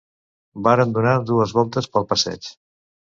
Varen donar dugues voltes pel passeig